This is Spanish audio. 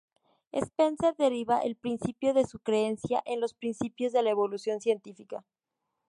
Spencer deriva el principio de su creencia en los principios de la evolución científica.